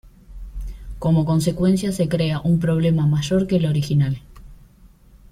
Como consecuencia se crea un problema mayor que el original.